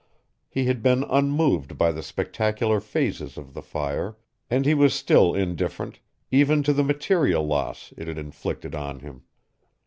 He had been unmoved by the spectacular phases of the fire and he was still indifferent, even to the material loss it had inflicted on him.